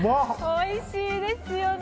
おいしいですよね。